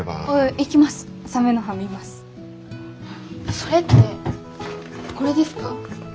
それってこれですか？